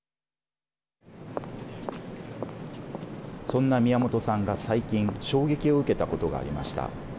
そんな宮本さんが最近衝撃を受けたことがありました。